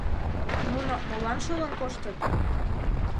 Нуно молан шылын коштыт?..